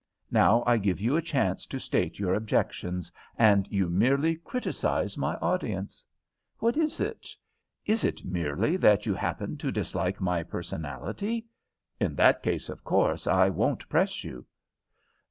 Now I give you a chance to state your objections, and you merely criticize my audience. What is it? Is it merely that you happen to dislike my personality? In that case, of course, I won't press you."